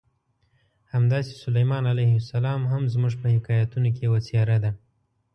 همداسې سلیمان علیه السلام هم زموږ په حکایتونو کې یوه څېره ده.